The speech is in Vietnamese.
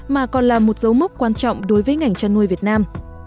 mà còn là một dấu mốc quan trọng đối với ngành chăn nuôi việt nam